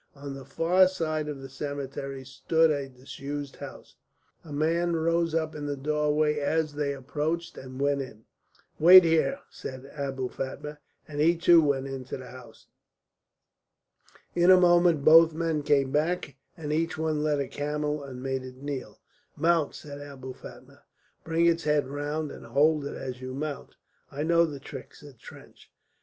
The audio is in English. On the far side of the cemetery stood a disused house; a man rose up in the doorway as they approached, and went in. "Wait here," said Abou Fatma, and he too went into the house. In a moment both men came back, and each one led a camel and made it kneel. "Mount," said Abou Fatma. "Bring its head round and hold it as you mount." "I know the trick," said Trench.